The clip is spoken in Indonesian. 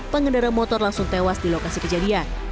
pengendara motor langsung tewas di lokasi kejadian